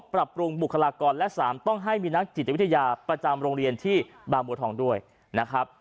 ปรับปรุงบุคลากรและ๓ต้องให้มีนักจิตวิทยาประจำโรงเรียนที่บางบัวทองด้วยนะครับ